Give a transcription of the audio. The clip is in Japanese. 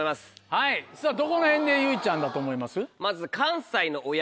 はいさぁどこらへんで結実ちゃんだと思います？